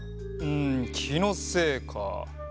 うんきのせいか。